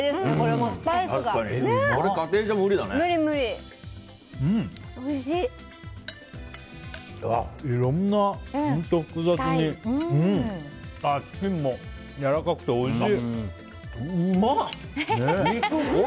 本当、いろいろ複雑にでチキンもやわらかくておいしい。